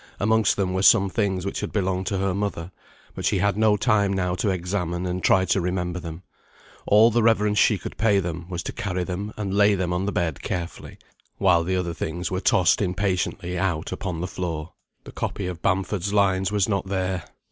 Amongst them were some things which had belonged to her mother, but she had no time now to examine and try and remember them. All the reverence she could pay them was to carry them and lay them on the bed carefully, while the other things were tossed impatiently out upon the floor. The copy of Bamford's lines was not there.